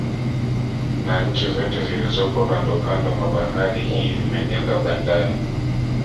Na nchi zote zilizopo kandokando mwa bahari hii zimejenga bandari